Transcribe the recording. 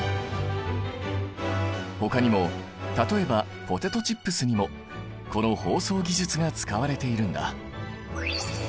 ほかにも例えばポテトチップスにもこの包装技術が使われているんだ。